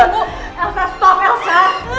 aku bisa nabrak tubuh luar biasa